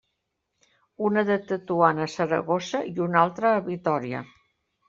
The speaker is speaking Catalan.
Una de Tetuan a Saragossa, i un altre a Vitòria.